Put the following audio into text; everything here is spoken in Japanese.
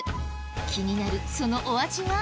気になるそのお味は？